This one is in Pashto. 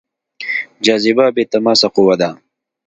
جاذبه بې تماس قوه ده.